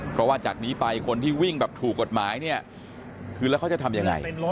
เพราะว่าจากนี้ไปคนที่วิ่งถูกกฎหมายคือแล้วเขาจะทำอย่างไร